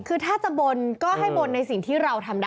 คือถ้าจะบนก็ให้บนในสิ่งที่เราทำได้